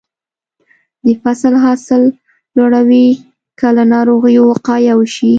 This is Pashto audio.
د فصل حاصل لوړوي که له ناروغیو وقایه وشي.